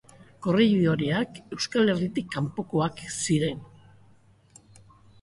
Korrejidoreak Euskal Herritik kanpokoak ziren.